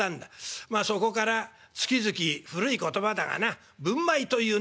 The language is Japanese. まあそこから月々古い言葉だがな分米というのが来る」。